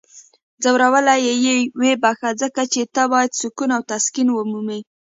ځورولی یی یې؟ ویې بخښه. ځکه چی ته باید سکون او تسکین ومومې!